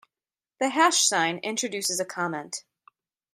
The hash sign introduces a comment.